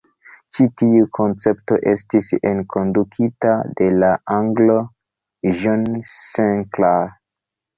Ĉi tiu koncepto estis enkondukita de la anglo John Sinclair.